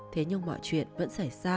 thế nhưng mọi chuyện vẫn xảy ra